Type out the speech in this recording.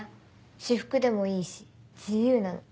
私服でもいいし自由なの。